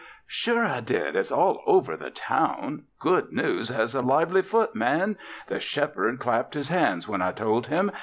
"Sure I did. It's all over the town. Good news has a lively foot, man. The Shepherd clapped his hands when I told him.